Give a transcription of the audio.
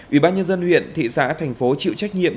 ủy ban nhân dân huyện thị xã thành phố chịu trách nhiệm